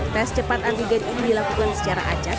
tes cepat antigen ini dilakukan secara acak